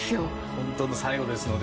本当の最後ですので。